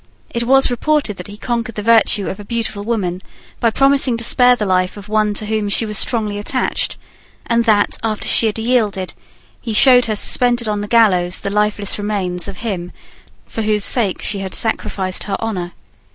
It was reported that he conquered the virtue of a beautiful woman by promising to spare the life of one to whom she was strongly attached, and that, after she had yielded, he showed her suspended on the gallows the lifeless remains of him for whose sake she had sacrificed her honour.